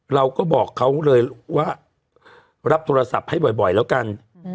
เราก็บอกเขาเลยว่ารับโทรศัพท์ให้บ่อยแล้วกัน